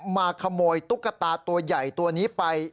มาขโมยตุ๊กตาตัวใหญ่ตัวนี้ไป